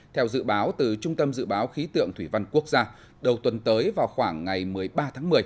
theo dự báo từ trung tâm dự báo khí tượng thủy văn quốc gia đầu tuần tới vào khoảng ngày một mươi ba tháng một mươi